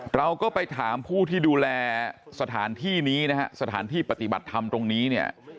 เราก็ไปถามผู้ที่ดูแลสถานที่นี้นะฮะสถานที่ปฏิบัติธรรมตรงนี้เนี่ย